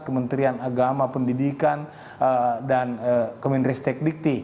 kementerian agama pendidikan dan kemendirian teknik